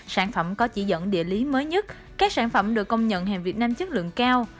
sản phẩm có chỉ dẫn địa lý mới nhất các sản phẩm được công nhận hàng việt nam chất lượng cao